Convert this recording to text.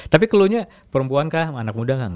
tapi clue nya perempuan kah sama anak muda gak